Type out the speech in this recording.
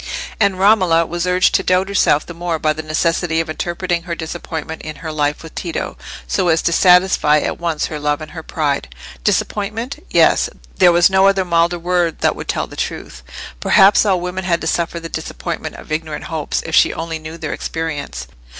And Romola was urged to doubt herself the more by the necessity of interpreting her disappointment in her life with Tito so as to satisfy at once her love and her pride. Disappointment? Yes, there was no other milder word that would tell the truth. Perhaps all women had to suffer the disappointment of ignorant hopes, if she only knew their experience.